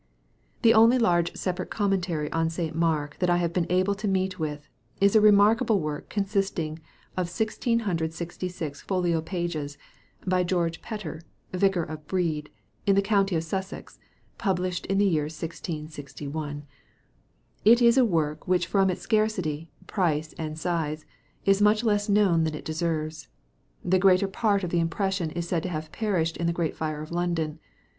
The only large separate Commentary on St. Mark, that I have been able to meet with, is a remarkable work consist ing of 1666 folio pages, by George Fetter, Vicar of Brede, in the county of Sussex, published in the year 1661. It is a work which from its scarcity, price, and size, is much less known than it deserves. The greater part of the impression is said to have perished in the great fire of London.